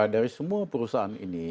dari semua perusahaan ini